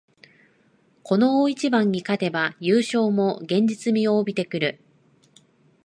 この大一番に勝てば優勝も現実味を帯びてくる